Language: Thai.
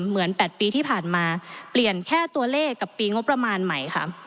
เหมือน๘ปีที่ผ่านมาเปลี่ยนแค่ตัวเลขกับปีงบประมาณใหม่ค่ะ